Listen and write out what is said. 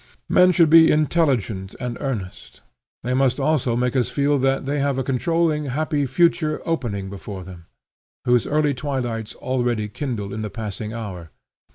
Men should be intelligent and earnest. They must also make us feel that they have a controlling happy future opening before them, whose early twilights already kindle in the passing hour.